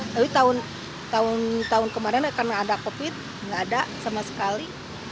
tapi tahun tahun kemarin karena ada covid nggak ada sama sekali